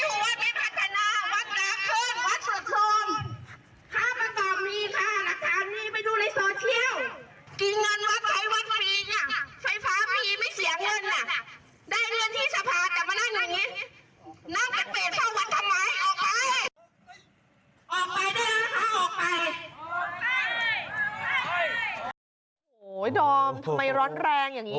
ออกไปด้วยหรือเหรอคะออกไปอ๋อได้ฮ่อยดมทำไมร้อนแรงอย่างงี้อ่ะ